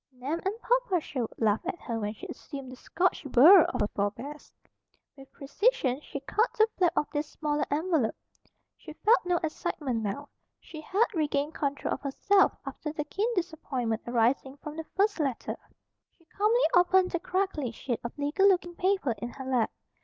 Nan and Papa Sherwood laughed at her when she assumed the Scotch burr of her forebears. With precision she cut the flap of this smaller envelope. She felt no excitement now. She had regained control of herself after the keen disappointment arising from the first letter. She calmly opened the crackly sheet of legal looking paper in her lap.